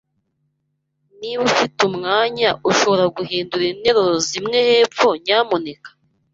Niba ufite umwanya, ushobora guhindura interuro zimwe hepfo, nyamuneka?